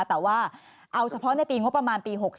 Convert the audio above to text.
แต่ว่าเอาเฉพาะในปีงบประมาณปี๖๓